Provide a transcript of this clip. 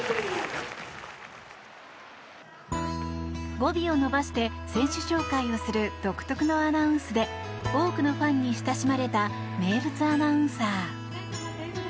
語尾を伸ばして選手紹介をする独特のアナウンスで多くのファンに親しまれた名物アナウンサー。